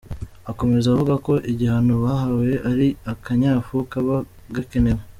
Akomeza avuga ko igihano bahawe ari akanyafu kaba gakenewe.